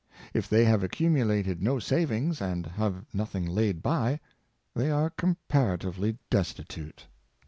If they have accumulated no sav ings, and have nothing laid by, they are comparatively destitute.